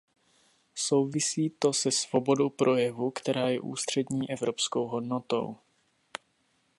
Souvisí to se svobodou projevu, která je ústřední evropskou hodnotou.